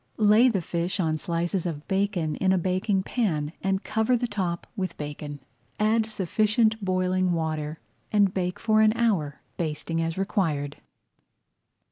Lay the fish on slices of bacon in a baking pan and cover the top with bacon. Add sufficient boiling water and bake for an hour, basting as required.